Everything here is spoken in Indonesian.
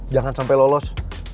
jangan sampai lolos